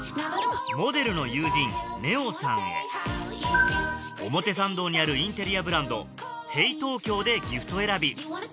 モデルの友人ねおさんへ表参道にあるインテリアブランドＨＡＹＴＯＫＹＯでギフト選び